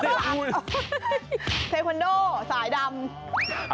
เทควันโดสายดำ